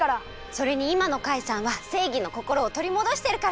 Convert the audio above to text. それにいまのカイさんはせいぎのこころをとりもどしてるから！